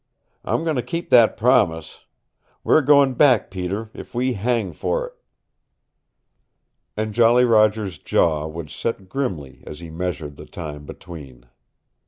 I'm going to keep that promise. We're going back, Peter, if we hang for it!" And Jolly Roger's jaw would set grimly as he measured the time between.